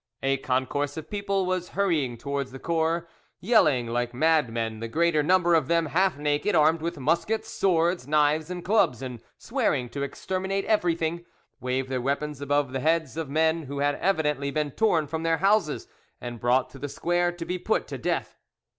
A concourse of people was hurrying towards the Cours yelling like madmen; the greater number of them, half naked, armed with muskets, swords, knives, and clubs, and swearing to exterminate everything, waved their weapons above the heads of men who had evidently been torn from their houses and brought to the square to be put to death.